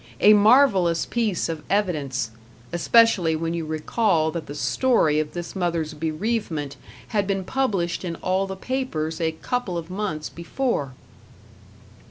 A marvelous piece of evidence especially when you recall that the story of this mother's bereavement had been published in all the papers a couple of months before!